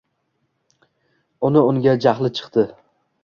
Uni unga jahli chiqdi.